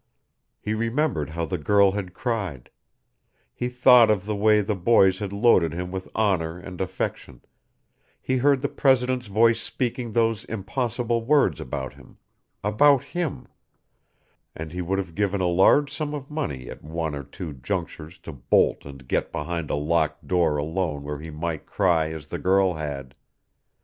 He remembered how the girl had cried; he thought of the way the boys had loaded him with honor and affection; he heard the president's voice speaking those impossible words about him about him and he would have given a large sum of money at one or two junctures to bolt and get behind a locked door alone where he might cry as the girl had.